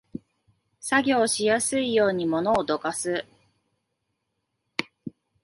作業しやすいように物をどかす